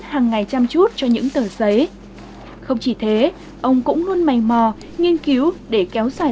hàng ngày chăm chút cho những tờ giấy không chỉ thế ông cũng luôn mành mò nghiên cứu để kéo dài